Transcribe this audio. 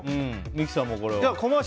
三木さんもこれは？